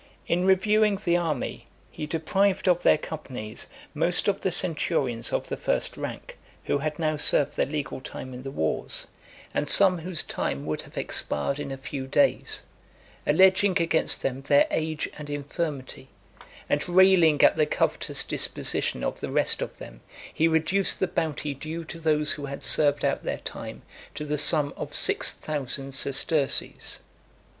In reviewing the army, he deprived of their companies most of the centurions of the first rank, who had now served their legal time in the wars, and some whose time would have expired in a few days; alleging against them their age and infirmity; and railing at the covetous disposition (282) of the rest of them, he reduced the bounty due to those who had served out their time to the sum of six thousand sesterces.